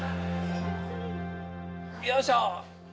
よいしょ！